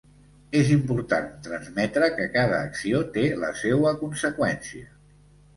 És important transmetre, que cada acció té la seua conseqüència.